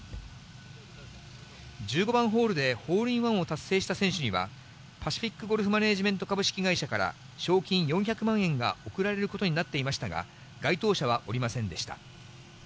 １５番ホールでホールインワンを達成した選手には、パシフィックゴルフマネージメント株式会社から、賞金４００万円が贈られることになっていましたが、該当者はおりませんでした。